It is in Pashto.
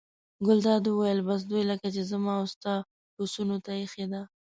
ګلداد وویل: بس دوی لکه چې زما او ستا پسونو ته اېښې ده.